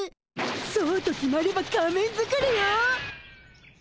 そうと決まれば仮面作りよ！